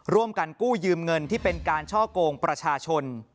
ร่วมกันกู้ยืมเงินที่เป็นการช่อกงประชาชน